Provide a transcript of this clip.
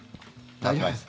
大丈夫ですか？